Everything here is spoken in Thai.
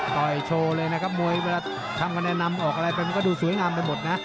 ต่อยโชว์เลยนะครับมวยเวลาทำคะแนนนำออกอะไรไปมันก็ดูสวยงามไปหมดนะ